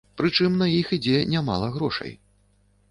Прычым на іх ідзе нямала грошай.